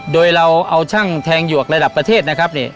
โดยเราเอาช่างแทงหยวกระดับประเทศนะครับ